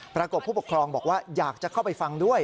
ปรากฏผู้ปกครองบอกว่าอยากจะเข้าไปฟังด้วย